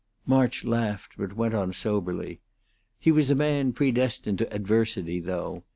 March laughed, but went on soberly: "He was a man predestined to adversity, though.